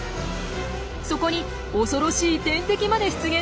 そこに恐ろしい天敵まで出現します。